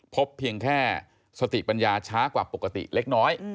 พบเพียงแค่สติปัญญาช้ากว่าปกติเล็กน้อย